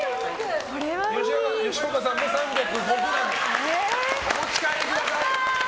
吉岡さんも３０５ｇお持ち帰りください。